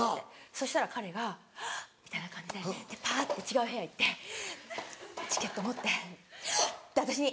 そしたら彼が「あっ！」みたいな感じでパって違う部屋行ってチケット持って「はい」って私に。